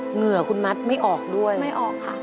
เหงื่อคุณมัดไม่ออกด้วยไม่ออกค่ะ